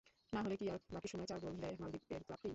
না হলে কি আর বাকি সময়ে চার গোল দেয় মালদ্বীপের ক্লাবটি।